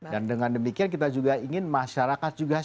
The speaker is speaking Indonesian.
dan dengan demikian kita juga ingin masyarakat juga share